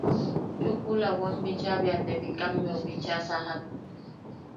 Chukula wam bicha bea te Bikammeu bicha sajak.